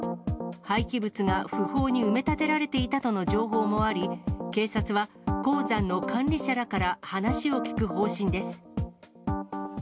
廃棄物が不法に埋め立てられていたとの情報もあり、警察は、鉱山の管理者らから話を聴く方針です。